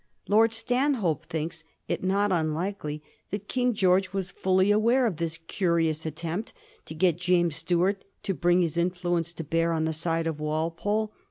Lord Stanhope thinks it not unlikely that King George was fully aware of this curious attempt to get James Stuart to bring his influence to bear on the side of Walpole.